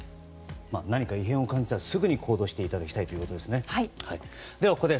何か異変を感じたらすぐに行動していただきたいということですね。